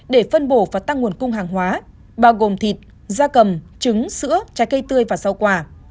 để phân bổ và tăng nguồn cung hàng hóa bao gồm thịt da cầm trứng sữa trái cây tươi và rau quả